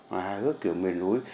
hài hước kiểu miền núi